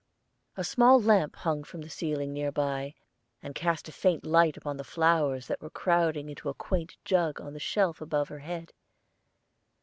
A small lamp hung from the ceiling near by, and cast a faint light upon the flowers that were crowded into a quaint jug on the shelf above her bed.